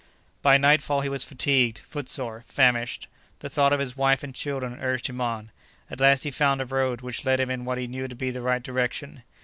By nightfall he was fatigued, footsore, famished. The thought of his wife and children urged him on. At last he found a road which led him in what he knew to be the right direction.